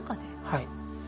はい。